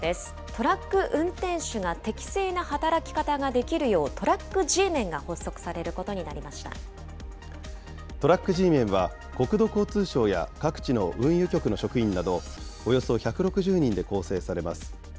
トラック運転手が適正な働き方ができるようトラックＧメンが発足トラックＧメンは、国土交通省や各地の運輸局の職員など、およそ１６０人で構成されます。